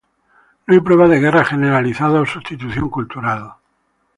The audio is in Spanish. No hay pruebas de guerras generalizadas o sustitución cultural.